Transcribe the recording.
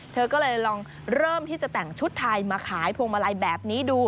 เธอก็เลยลองเริ่มที่จะแต่งชุดไทยมาขายพวงมาลัยแบบนี้ดู